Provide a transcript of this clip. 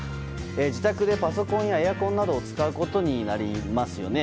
自宅でパソコンやエアコンなどを使うことになりますよね。